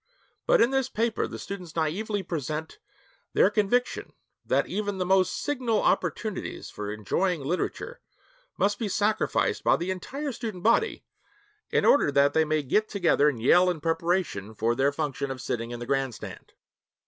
But in this paper the students naïvely present their conviction that even the most signal opportunities for enjoying literature must be sacrificed by the entire student body in order that they may get together and yell in preparation for their function of sitting in the grandstand.